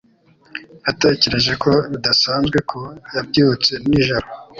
Natekereje ko bidasanzwe ko yabyutse nijoro